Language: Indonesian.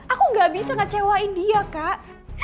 aku gak bisa ngecewain dia kak